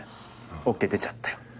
ＯＫ出ちゃったよ。